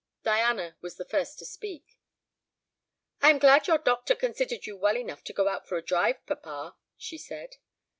Diana was the first to speak. "I am glad your doctor considered you well enough to go out for a drive, papa," she said.